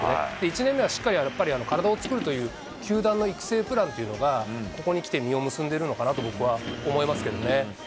１年目はしっかり、やっぱり体を作るという球団の育成プランというのが、ここにきて実を結んでるのかなと僕は思いますけどね。